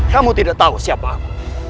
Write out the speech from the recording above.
kamu tidak tahu siapa aku